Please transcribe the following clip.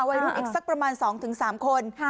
วัยรุ่นอีกสักประมาณ๒๓คน